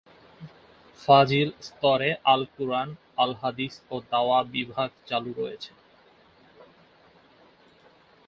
ফাজিল স্তরে আল কুরআন, আল হাদিস ও দাওয়াহ বিভাগ চালু রয়েছে।